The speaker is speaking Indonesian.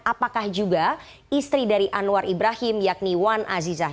apakah juga istri dari anwar ibrahim yakni wan azizah